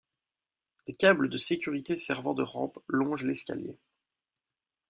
Des câbles de sécurité servant de rampe longent l'escalier.